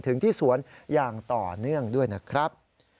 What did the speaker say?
ถึงที่สวนอย่างต่อเนื่องด้วยนะครับ